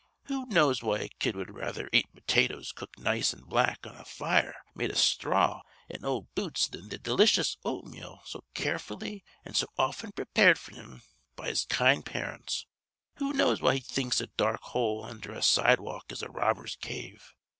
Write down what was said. Who knows why a kid wud rather ate potatoes cooked nice an' black on a fire made of sthraw an' old boots thin th' delicious oatmeal so carefully an' so often prepared f'r him be his kind parents? Who knows why he thinks a dark hole undher a sidewalk is a robbers' cave?